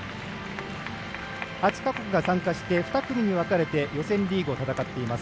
８か国が参加して２か国に分かれて予選リーグを戦っています。